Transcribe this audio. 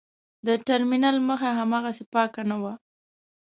د ټرمینل مخه هاغسې پاکه نه وه.